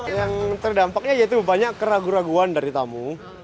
yang terdampaknya yaitu banyak keraguan keraguan dari tamu